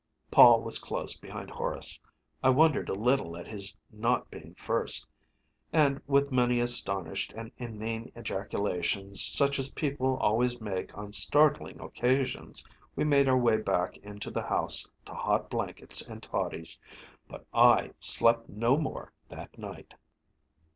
Paul was close behind Horace I wondered a little at his not being first and with many astonished and inane ejaculations, such as people always make on startling occasions, we made our way back into the house to hot blankets and toddies. But I slept no more that night.